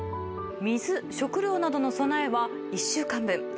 水、食料などの備えは１週間分。